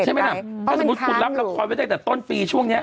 เพราะมันค้างอยู่ถ้าสมมุติคุณรับกล้องกล้องตั้งแต่ต้นปีช่วงนี้